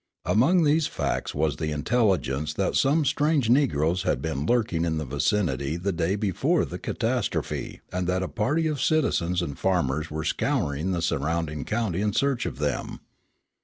Among these facts was the intelligence that some strange negroes had been seen lurking in the vicinity the day before the catastrophe and that a party of citizens and farmers were scouring the surrounding country in search of them.